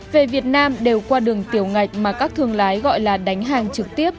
về việt nam đều qua đường tiểu ngạch mà các thương lái gọi là đánh hàng trực tiếp